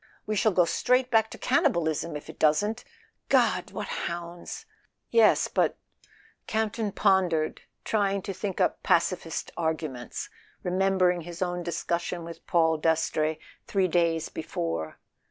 We shall go straight back to cannibalism if it doesn't — God, what hounds!" Yes, but—Camp ton pondered, tried to think up Pac¬ ifist arguments, remembered his own discussion with Paul Dastrey three days before.